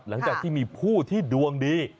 หลังจากที่มีผู้ที่ดวงดี